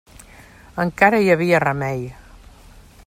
Encara hi havia remei.